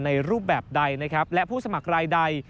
รูปแบบใดนะครับและผู้สมัครรายใด